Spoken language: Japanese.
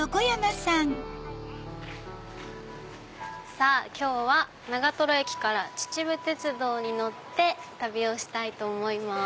さぁ今日は長駅から秩父鉄道に乗って旅をしたいと思います。